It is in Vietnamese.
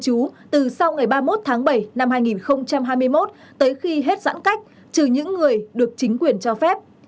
chú từ sau ngày ba mươi một tháng bảy năm hai nghìn hai mươi một tới khi hết giãn cách trừ những người được chính quyền cho phép